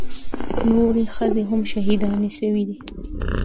نورې ښځې هم شهيدانې سوې دي.